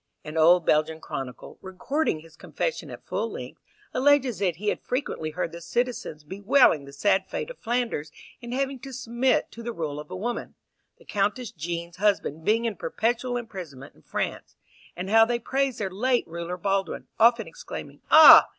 An old Belgian chronicle, recording his confession at full length, alleges that he had frequently heard the citizens bewailing the sad fate of Flanders in having to submit to the rule of a woman, the Countess Jean's husband being in perpetual imprisonment in France, and how they praised their late ruler Baldwin, often exclaiming, "Ah!